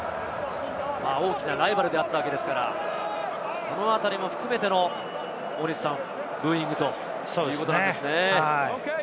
大きなライバルであったわけですから、このあたりも含めてブーイングということなんですね。